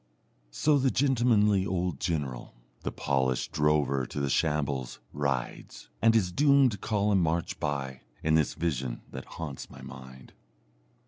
So the gentlemanly old general the polished drover to the shambles rides, and his doomed column march by, in this vision that haunts my mind.